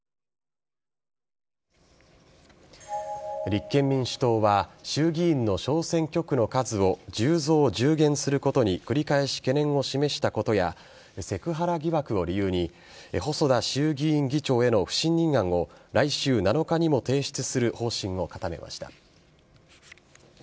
立憲民主党は衆議院の小選挙区の数を１０増１０減することに繰り返し懸念を示したことやセクハラ疑惑を理由に細田衆議院議長への不信任案を来週７日にも提出する方針を固めました。